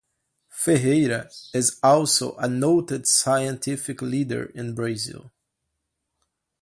Ferreira is also a noted scientific leader in Brazil.